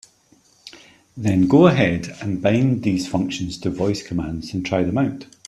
Then go ahead and bind these functions to voice commands and try them out.